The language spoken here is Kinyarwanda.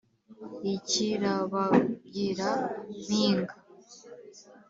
i kirabagira-mpinga